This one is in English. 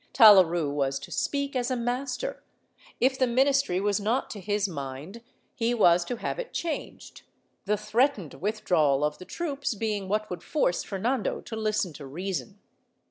Talaru was to speak as a master; if the ministry was not to his mind, he was to have it changed, the threatened withdrawal of the troops being what would force Fernando to listen to reason.